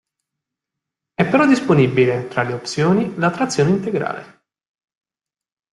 È però disponibile, tra le opzioni, la trazione integrale.